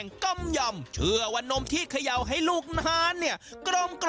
ว้าวว้าวว้าว